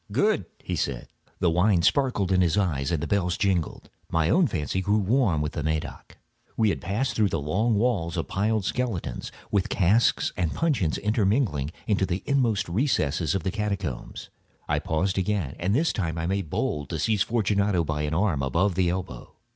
"Good!" he said. The wine sparkled in his eyes and the bells jingled. My own fancy grew warm with the Medoc. We had passed through walls of piled bones, with casks and puncheons intermingling, into the inmost recesses of the catacombs. I paused again, and this time I made bold to seize Fortunato by an arm above the elbow.